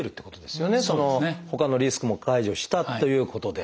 ほかのリスクも排除したということで。